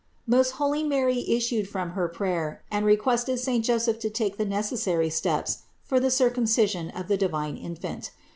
520. Most holy Mary issued from her prayer and re quested saint Joseph to take the necessary steps for the Circumcision of the divine Infant.